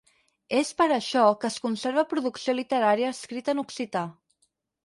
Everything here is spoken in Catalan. És per això que es conserva producció literària escrita en occità.